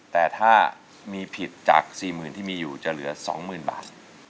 แต่ถ้ามีผิดจากสี่หมื่นที่มีอยู่จะเหลือสองหมื่นบาท